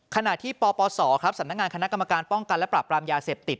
ขณะที่ปปศครับสำนักงานคณะกรรมการป้องกันและปรับปรามยาเสพติด